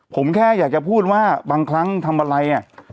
ผมแค่อยากจะพูดว่าบางครั้งทำอะไร